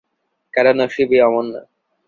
কারো নসিব-ই অমন না।